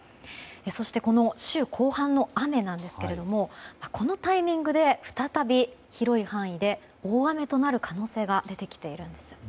そして、この週後半の雨ですがこのタイミングで再び広い範囲で大雨となる可能性が出てきているんです。